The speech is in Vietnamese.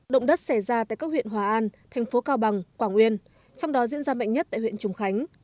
động đất xảy ra tại các huyện hòa an thành phố cao bằng quảng uyên trong đó diễn ra mạnh nhất tại huyện trùng khánh